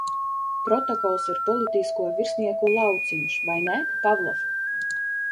Protokols ir politisko virsnieku lauciņš, vai ne, Pavlov?